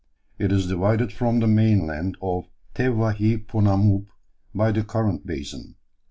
It is divided from the mainland of Te Wahi Punamub by the Current Basin.